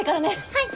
はい！